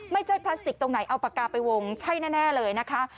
พลาสติกตรงไหนเอาปากกาไปวงใช่แน่เลยนะคะ